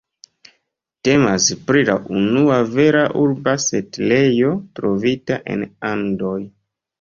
Temas pri la unua vera urba setlejo trovita en Andoj.